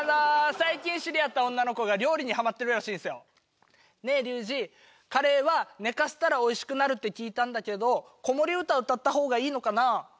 最近知り合った女の子が料理にハマってるらしいんすよねえ隆志カレーは寝かせたらおいしくなるって聞いたんだけど子守歌歌ったほうがいいのかな？